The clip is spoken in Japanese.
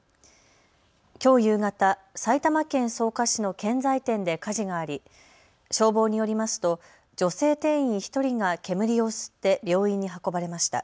きょう夕方、埼玉県草加市の建材店で火事があり消防によりますと女性店員１人が煙を吸って病院に運ばれました。